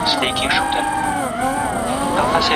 هغوی تېره ورځ ډېر خوشحاله وو.